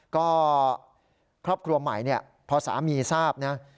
ก็ครอบครัวใหม่พอสามีทราบนะ